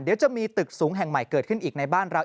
เดี๋ยวจะมีตึกสูงแห่งใหม่เกิดขึ้นอีกในบ้านเรา